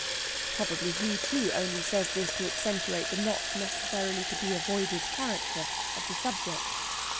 Probably he, too, only says this to accentuate the not necessarily to be avoided character of the subject.